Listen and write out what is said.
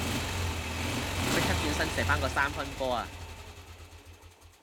即刻轉身射個三分波呀